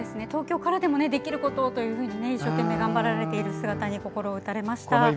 東京からでもできることをというふうに一生懸命頑張っている姿に心打たれました。